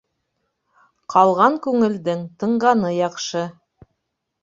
Ҡалған күңелдең тынғаны яҡшы.